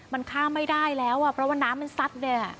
มันข้ามไม่ได้แล้วเพราะว่าน้ำมันสัด